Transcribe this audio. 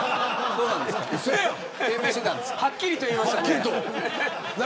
はっきりと言いましたね。